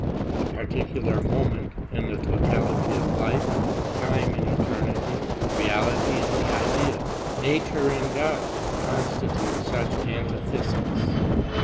The particular moment and the totality of life, time and eternity, reality and the ideal, nature and God con stitute such antitheses.